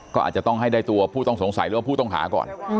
ก็อาจจะต้องให้ได้ตัวผู้ต้องสงสัยหรือว่าผู้ต้องหาก่อน